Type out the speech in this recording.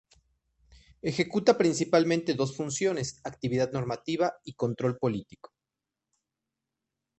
Ejecuta principalmente dos funciones: actividad normativa y control político.